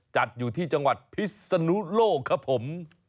จัดอยู่ที่จังหวัดพิศนุโลกครับผม